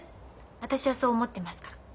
私はそう思ってますから。